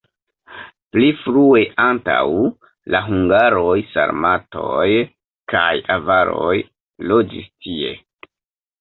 Pli frue antaŭ la hungaroj sarmatoj kaj avaroj loĝis tie.